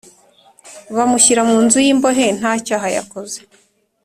bamunshyira mu nzu y imbohe ntacyaha yakoze